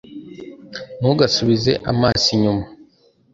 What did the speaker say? ntugasubize amaso inyuma